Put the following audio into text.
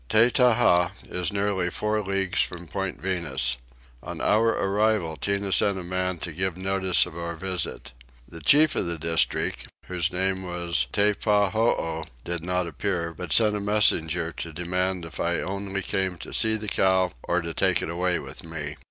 Tettaha is nearly four leagues from Point Venus. On our arrival Tinah sent a man to give notice of our visit. The chief of the district, whose name was Teppahoo, did not appear, but sent a messenger to demand if I came only to see the cow or to take it away with me.